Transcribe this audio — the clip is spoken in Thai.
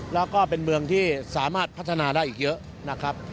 และเป็นเมืองที่สามารถพัฒนาได้อีกเยอะ